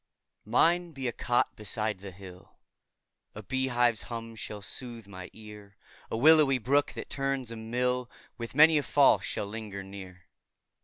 Mine be a cot beside the hill, A bee hive's hum shall sooth my ear; A willowy brook, that turns a mill, With many a fall shall linger near.